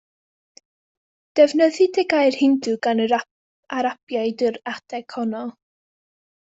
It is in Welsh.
Defnyddid y gair Hindŵ gan yr Arabiaid yr adeg honno.